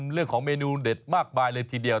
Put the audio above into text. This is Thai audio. เรื่องของเมนูเด็ดมากมายเลยทีเดียว